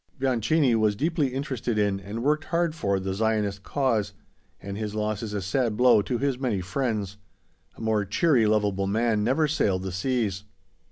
Bianchini was deeply interested in, and worked hard for, the Zionist cause, and his loss is a sad blow to his many friends. A more cheery, lovable man never sailed the seas.